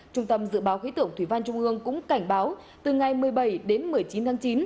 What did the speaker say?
trung tâm dự báo khí tượng thủy văn trung ương cũng cảnh báo từ ngày một mươi bảy đến một mươi chín tháng chín